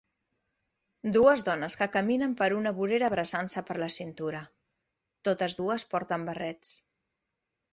Dues dones que caminen per una vorera abraçant-se per la cintura, totes dues porten barrets.